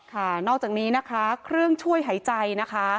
นอกจากนี้นะคะเครื่องช่วยหายใจนะคะ